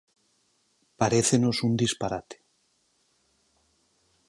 Parécenos un disparate.